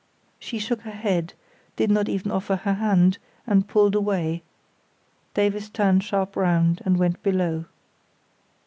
She shook her head, did not even offer her hand, and pulled away; Davies turned sharp round and went below.